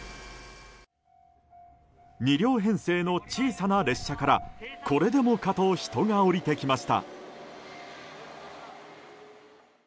２両編成の小さな列車からこれでもかと人が降りてきました。